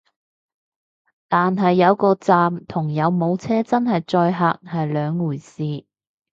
但係有個站同有冇車真係載客係兩回事